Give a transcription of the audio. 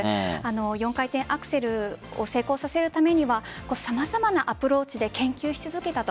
４回転アクセルを成功させるためには様々なアプローチで研究し続けたと。